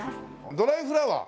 ドライフラワー？